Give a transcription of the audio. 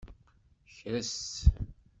Kres.